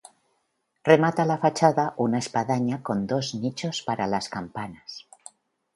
Remata la fachada una espadaña con dos nichos para las campanas.